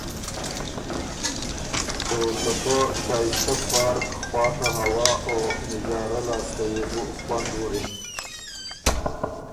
او ته پۀ شائستۀ پارک خواڒه هوا او نظاره لاسته يې بو خوند وُرِن۔